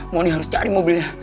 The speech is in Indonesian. mondi harus cari mobilnya